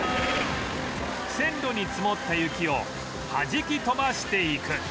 線路に積もった雪をはじき飛ばしていく